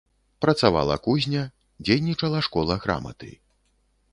Працавала кузня, дзейнічала школа граматы.